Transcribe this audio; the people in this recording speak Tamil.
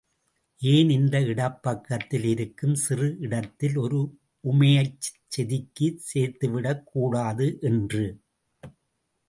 ஏன் இந்த இடப்பக்கத்தில் இருக்கும் சிறு இடத்தில் ஒரு உமையைச் செதுக்கிச் சேர்த்துவிடக் கூடாது என்று.